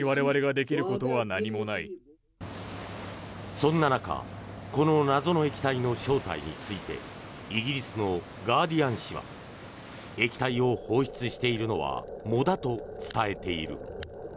そんな中この謎の液体の正体についてイギリスのガーディアン紙は液体を放出しているのは藻だと伝えている。